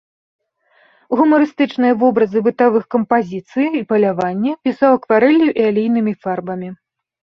Гумарыстычныя вобразы бытавых кампазіцый і палявання пісаў акварэллю і алейнымі фарбамі.